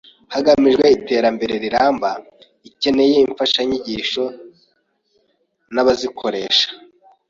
hagamijwe iterambere riramba ikeneye imfashanyigisho n’abazikoresha